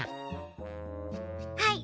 はい。